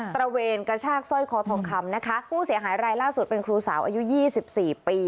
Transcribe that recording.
ระเวนกระชากสร้อยคอทองคำนะคะผู้เสียหายรายล่าสุดเป็นครูสาวอายุยี่สิบสี่ปี